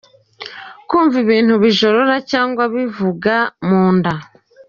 Kumva ibintu bijorora cyangwa bivuga munda.